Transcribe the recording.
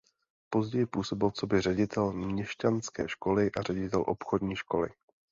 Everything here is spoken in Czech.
Později působil coby ředitel měšťanské školy a ředitel obchodní školy.